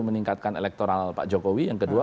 meningkatkan elektoral pak jokowi yang kedua